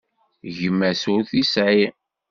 Gma-s ur t-tesεi.